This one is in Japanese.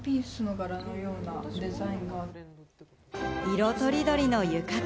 色とりどりの浴衣。